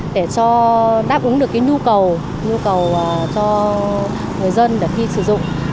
để cho đáp ứng được cái nhu cầu nhu cầu cho người dân để khi sử dụng